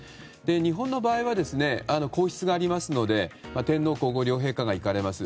日本の場合は皇室がありますので天皇・皇后両陛下が行かれます。